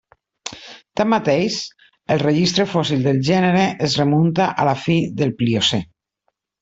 Tanmateix, el registre fòssil del gènere es remunta a la fi del Pliocè.